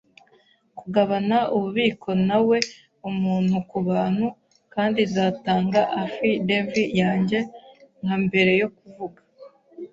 kugabana ububiko nawe, umuntu kubantu; kandi nzatanga affy-davy yanjye, nka mbere yo kuvuga